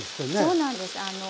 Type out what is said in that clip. そうなんです。